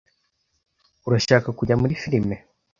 Urashaka kujya muri firime?